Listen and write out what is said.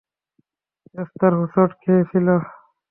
Esther হোচট খেয়েছিল।